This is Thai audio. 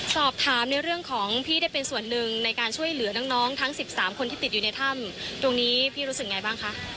สอบถามในเรื่องของพี่ได้เป็นส่วนหนึ่งในการช่วยเหลือน้องทั้ง๑๓คนที่ติดอยู่ในถ้ำตรงนี้พี่รู้สึกไงบ้างคะ